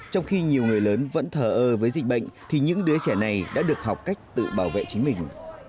trong khi nhiều người lớn vẫn thờ ơ với dịch bệnh thì những đứa trẻ này đã được học cách tự bảo vệ chính mình